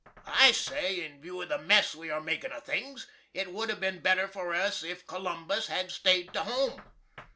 I say, in view of the mess we are makin' of things, it would have been better for us if cOLUMBUS had staid to home.